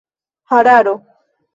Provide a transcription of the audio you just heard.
hararo